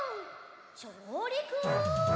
じょうりく！